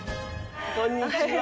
こんにちは。